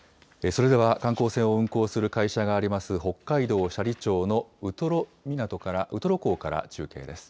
それでは観光船を運航する会社があります、北海道斜里町のウトロ港から中継です。